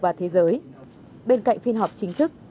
và thế giới bên cạnh phiên họp chính thức